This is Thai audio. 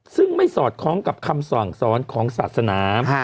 ซึ่งไม่สอดคล้องกับคำสั่งสอนของศาสนา